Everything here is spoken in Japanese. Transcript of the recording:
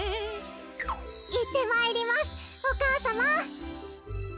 いってまいりますお母さま。